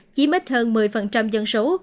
chỉ mít hơn một mươi dân số